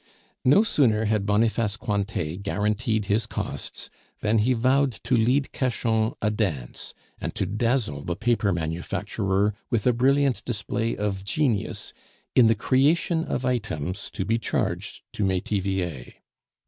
No sooner had Boniface Cointet guaranteed his costs than he vowed to lead Cachan a dance, and to dazzle the paper manufacturer with a brilliant display of genius in the creation of items to be charged to Metivier.